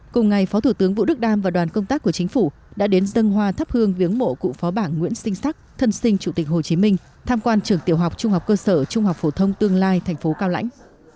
cùng ngày phó thủ tướng vũ đức đam và đoàn công tác của chính phủ đã đến dân hoa thắp hương viếng mộ cụ phó bảng nguyễn sinh sắc thân sinh chủ tịch hồ chí minh tham quan trường tiểu học trung học cơ sở trung học phổ thông tương lai thành phố cao lãnh